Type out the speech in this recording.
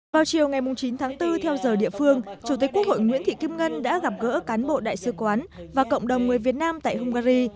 vào chiều ngày chín tháng bốn theo giờ địa phương chủ tịch quốc hội nguyễn thị kim ngân đã gặp gỡ cán bộ đại sứ quán và cộng đồng người việt nam tại hungary